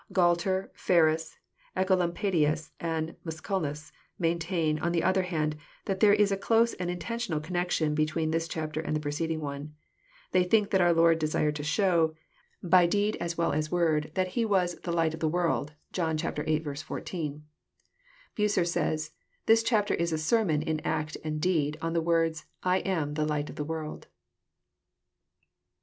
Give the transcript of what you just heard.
Gualter, Ferns, Ecolampadius, and Musculus maintain, on the other hand, that there is a close and intentional connection be tween this chapter and the preceding one. They think that oar Lord desired to show, by deed as well as word, that He was JOHN, CHAP. IX. 139 «« the Light of the world." (John viil. 14.) Bacer says, This chapter is a sermon in act and deed, on the words, ' I am the Light of the world.'